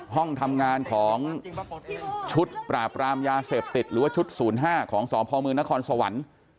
ห้องทำงานของชุดปราบรามยาเสพติดหรือว่าชุด๐๕ของสพมนครสวรรค์